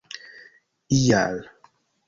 ial